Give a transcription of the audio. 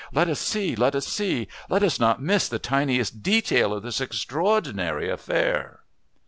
Let us see! Let us see! Let us not miss the tiniest detail of this extraordinary affair!